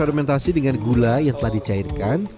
fermentasi dengan gula yang telah dicairkan